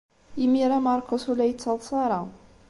Imir-a Marcos ur la yettaḍsa ara.